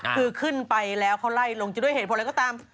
คือขึ้นไปแล้วเขาไล่ลงจะด้วยเหตุผลอะไรก็ตาม